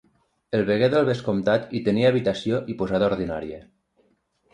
El veguer del vescomtat hi tenia habitació i posada ordinària.